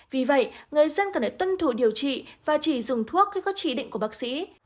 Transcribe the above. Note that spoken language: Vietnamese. vì vậy người dân cần phải tuân thủ điều trị và chỉ dùng thuốc khi có chỉ định của bác sĩ